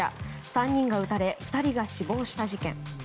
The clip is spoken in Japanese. ３人が撃たれ２人が死亡した事件。